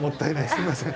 すみません。